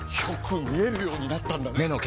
よく見えるようになったんだね！